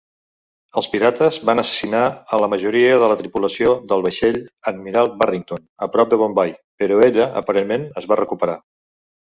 Els pirates van assassinar a la majoria de la tripulació del vaixell "Admiral Barrington" a prop de Bombai, però ella aparentment es va recuperar.